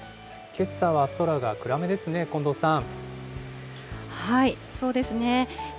けさは空が暗めですね、近藤さん。